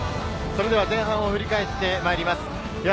それでは前半を振り返ってまいります。